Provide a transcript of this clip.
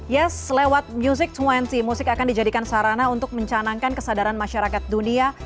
yes lewat music dua puluh musik akan dijadikan sarana untuk mencanangkan kesadaran masyarakat dunia